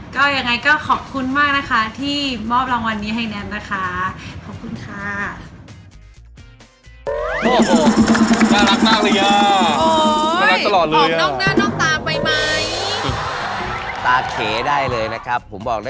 ก็ยังไงก็ขอบคุณมากนะคะที่มอบรางวัลนี้ให้แนบนะคะขอบคุณค่ะ